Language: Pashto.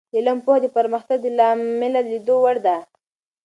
د علم پوهه د پرمختګ د لامله د لید وړ ده.